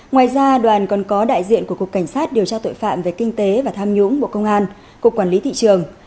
ngoài ra đoàn còn có đại diện của cục cảnh sát điều tra tội phạm về kinh tế và tham nhũng bộ công an cục quản lý thị trường